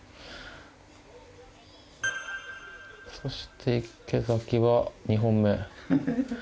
そして池崎は２本目。